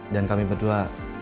dan kami berdua